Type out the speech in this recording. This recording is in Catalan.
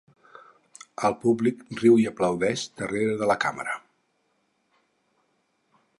El públic riu i aplaudeix darrere de la càmera.